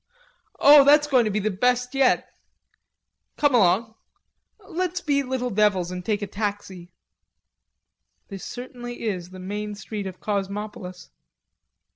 "Oh, that's going to be the best yet.... Come along. Let's be little devils and take a taxi." "This certainly is the main street of Cosmopolis."